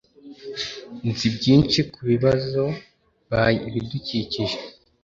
Nzi byinshi kubibazo by ibidukikije.